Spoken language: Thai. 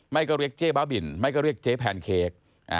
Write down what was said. ไม่ก็เรียกเจ๊บ้าบินไม่ก็เรียกเจ๊แพนเค้ก